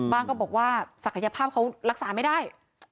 ก็บอกว่าศักยภาพเขารักษาไม่ได้